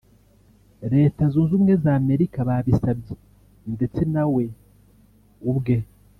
Leta Zunze Ubumwe za Amerika babisabye ndetse na we ubwe